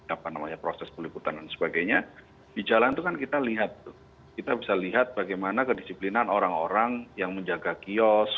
apa namanya proses peliputan dan sebagainya di jalan itu kan kita lihat tuh kita bisa lihat bagaimana kedisiplinan orang orang yang menjaga kios